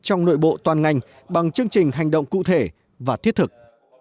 trong nội bộ toàn ngành bằng chương trình hành động cụ thể và thiết thực